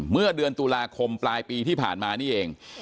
เมื่อเดือนตุลาคมปลายปีที่ผ่านมานี่เอง